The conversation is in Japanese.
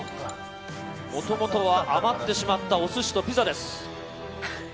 もともとは余ってしまったお寿司とピザです。